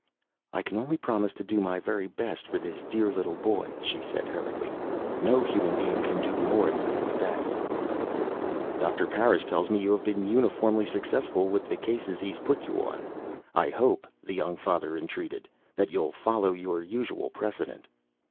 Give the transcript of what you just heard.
"I can only promise to do my very best for this dear little boy," she said hurriedly. "No human being can do more than his best." "Doctor Parris tells me you have been uniformly successful with the cases he's put you on. I hope," the young father entreated, "that you'll follow your usual precedent."